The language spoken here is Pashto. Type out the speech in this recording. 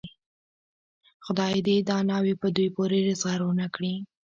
خدای دې دا ناوې په دوی پورې زرغونه کړي.